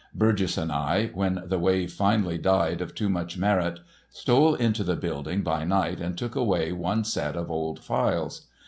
Burgess and I, when the Wave finally died of too much merit, stole into the building by night and took away one set of old files.